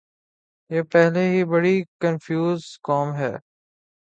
یہ پہلے ہی بڑی کنفیوز قوم ہے۔